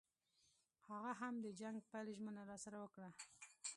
هغه هم د جنګ پیل ژمنه راسره وکړه.